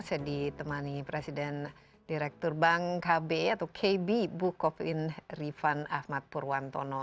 saya ditemani presiden direktur bank kb atau kb bukopin rifan ahmad purwantono